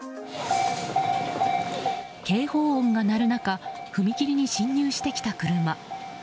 警報音が鳴る中踏切に進入してきた車。